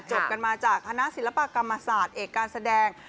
กันมาจากคณะศิลปกรรมศาสตร์เอกการแสดง